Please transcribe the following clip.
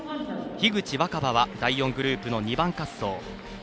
樋口新葉は第４グループの２番滑走。